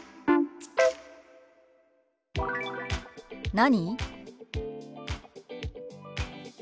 「何？」。